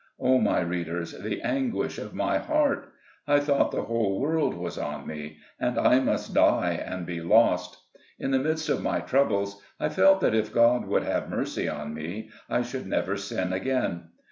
O, my readers, the anguish of my heart ! I thought the whole world was on me, and I must die and be lost. In the midst of my troubles, I felt that if God would have mercy on me, I should never sin again.